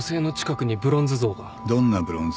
どんなブロンズ像だ。